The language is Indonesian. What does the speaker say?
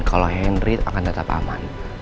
kalau henry akan tetap aman